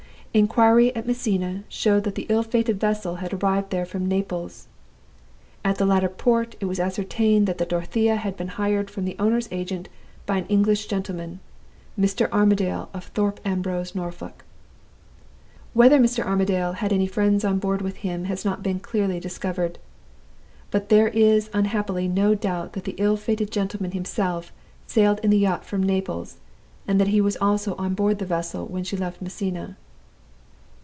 Inquiry at Messina showed that the ill fated vessel had arrived there from Naples. At the latter port it was ascertained that the Dorothea had been hired from the owner's agent by an English gentleman, Mr. Armadale, of Thorpe Ambrose, Norfolk. Whether Mr. Armadale had any friends on board with him has not been clearly discovered. But there is unhappily no doubt that the ill fated gentleman himself sailed in the yacht from Naples, and that he was also on board of the vessel when she left Messina.